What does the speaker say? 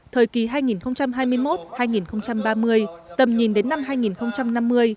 thời kỳ hai nghìn hai mươi một hai nghìn ba mươi tầm nhìn đến năm hai nghìn năm mươi